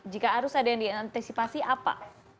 jika harus ada yang diantisipasi apa